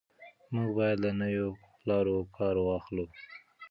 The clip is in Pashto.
موږ باید له نویو لارو کار واخلو.